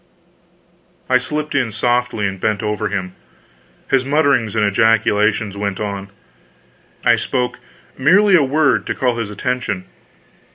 I slipped in softly and bent over him. His mutterings and ejaculations went on. I spoke merely a word, to call his attention.